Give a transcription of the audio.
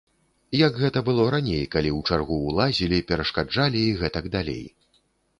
Як гэта было раней, калі ў чаргу ўлазілі, перашкаджалі і гэтак далей.